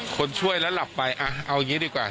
คนช่วยแล้วหลับไปเอาอย่างนี้ดีกว่า